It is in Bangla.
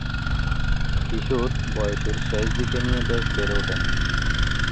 কিশোর বয়সের শেষ দিকে নিয়ে বেশ বেড়ে উঠেন।